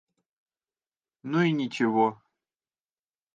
Ну и ничего.